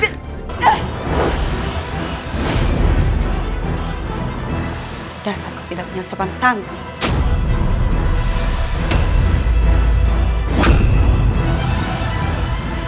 rasaku tidak punya sopan sanggup